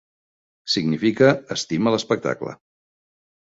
Significa "Estima l'espectacle".